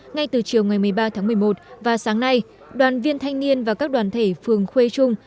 ngay từ chiều ngày một mươi ba tháng một mươi một và sáng nay đoàn viên thanh niên và các đoàn thể phường khuê trung